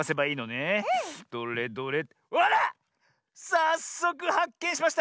さっそくはっけんしました！